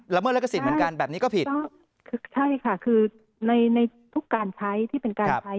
เมิดลิขสิทธิ์เหมือนกันแบบนี้ก็ผิดใช่ค่ะคือในในทุกการใช้ที่เป็นการใช้